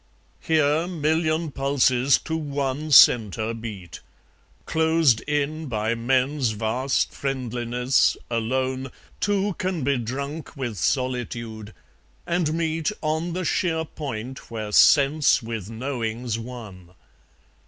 Here, million pulses to one centre beat: Closed in by men's vast friendliness, alone, Two can be drunk with solitude, and meet On the sheer point where sense with knowing's one.